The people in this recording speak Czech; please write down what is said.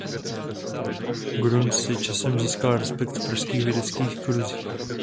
Grün si časem získal respekt v pražských vědeckých kruzích.